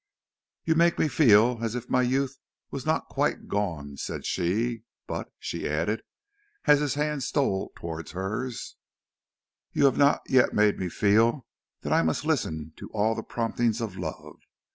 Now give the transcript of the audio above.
"You make me feel as if my youth was not quite gone," said she; "but," she added, as his hand stole towards hers, "you have not yet made me feel that I must listen to all the promptings of love.